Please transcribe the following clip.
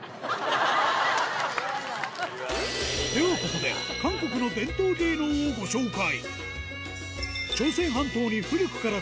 ではここで韓国の伝統芸能をご紹介